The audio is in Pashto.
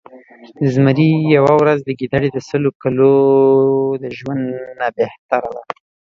د زمري يؤه ورځ د ګیدړ د سلو کالو د ژؤند نه بهتره ده